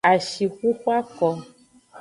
Ashixuxu ako.